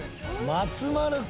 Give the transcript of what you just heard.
松丸君。